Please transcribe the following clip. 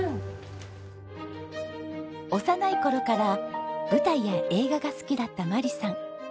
幼い頃から舞台や映画が好きだった眞理さん。